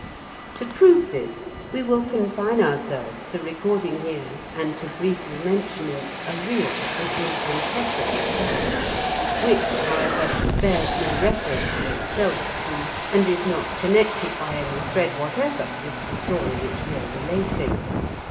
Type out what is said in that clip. To prove this, we will confine ourselves to recording here and to briefly mentioning a real and incontestable fact, which, however, bears no reference in itself to, and is not connected by any thread whatever with the story which we are relating.